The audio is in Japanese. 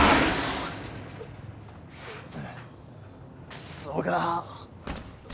クソが！